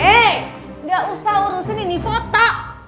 eh gak usah urusin ini kota